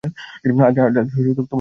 আজ আমার সাথে ঘুমাতে পারবে?